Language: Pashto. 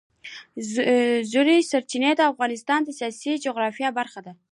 ژورې سرچینې د افغانستان د سیاسي جغرافیه برخه ده.